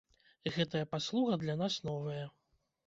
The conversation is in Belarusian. Гэтая паслуга для нас новая.